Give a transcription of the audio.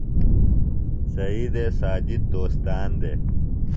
سعیدے ساجد دوستان دےۡ۔